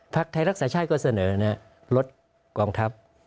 ภาคไทยรักษชาชก็เสนอลดกองทัพ